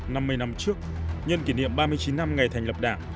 năm mươi năm trước nhân kỷ niệm ba mươi chín năm ngày thành lập đảng